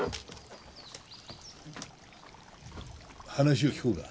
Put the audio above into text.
話を聞こうか。